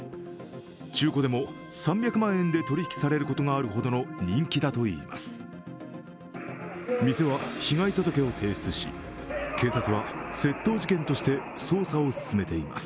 中古でも３００万円で取引されることがあるほどの人気だといいます。